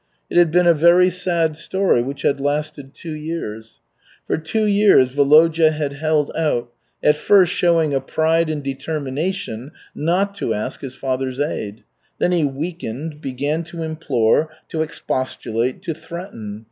It had been a very sad story, which had lasted two years. For two years Volodya had held out, at first showing a pride and determination not to ask his father's aid. Then he weakened, began to implore, to expostulate, to threaten.